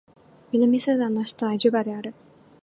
南スーダンの首都はジュバである